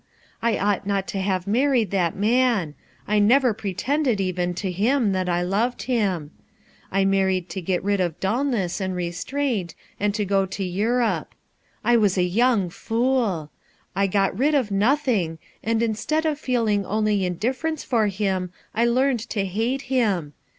I 0U J not to have married that man; I never * tended even to him that I loved him T ned to get rid of dulness and restraint, and to g0 to Europe. I was a young fool ! I got rid of nothing, and instead of feeling only indifference for him I learned to hate Mm.